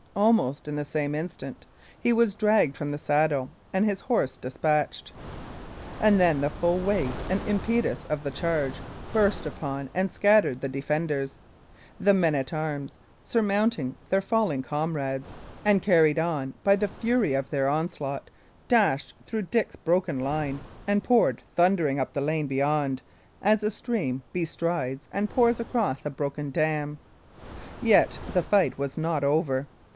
Almost in the same instant he was dragged from the saddle and his horse despatched. And then the full weight and impetus of the charge burst upon and scattered the defenders. The men at arms, surmounting their fallen comrades, and carried onward by the fury of their onslaught, dashed through Dick's broken line and poured thundering up the lane beyond, as a stream bestrides and pours across a broken dam. Yet was the fight not over.